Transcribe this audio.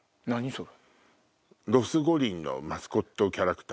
それ。